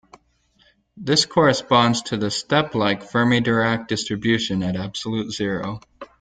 This corresponds to the step-like Fermi-Dirac distribution at absolute zero.